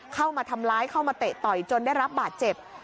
เข้ามาทำร้ายเข้ามาเตะต่อยจนได้รับบาดเจ็บ